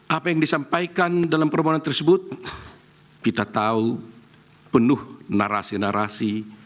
apa yang disampaikan dalam permohonan tersebut kita tahu penuh narasi narasi